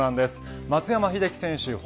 松山英樹選手